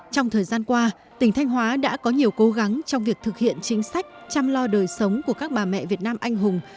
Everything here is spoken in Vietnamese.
trong thời gian qua tỉnh thanh hóa đã có nhiều cố gắng trong việc thực hiện chính sách chăm lo đời sống của các bà mẹ việt nam anh hùng